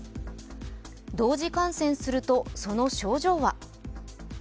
同時感染すると、その症状は？